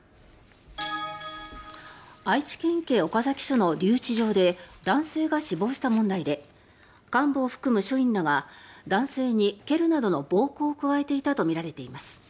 愛知県警岡崎署の留置場で男性が死亡した問題で幹部を含む署員らが男性に蹴るなどの暴行を加えていたとみられています。